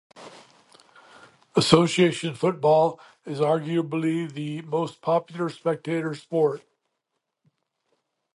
Association football is arguably the most popular spectator sport.